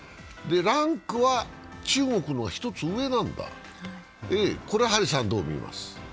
ランクは中国のが１つ上なんだ、これ張さんどう見ます？